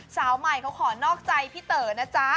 สาวใหม่เขาขอนอกใจพี่เต๋อนะจ๊ะ